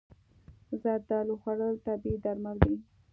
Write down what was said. زردالو خوړل طبیعي درمل دي.